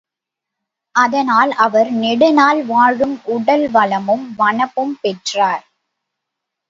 அதனால் அவர் நெடுநாள் வாழும் உடல் வளமும் வனப்பும் பெற்றார்.